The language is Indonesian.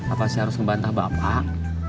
apa seharusnya bantah bapak